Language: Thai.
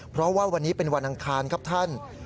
เพราะว่าวันนี้เป็นวันอังคารครับท่าน